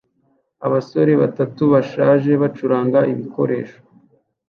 Abasore batatu bashaje bacuranga ibikoresho